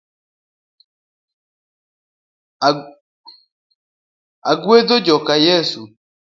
Agwetho joka Yeso.